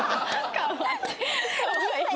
かわいい。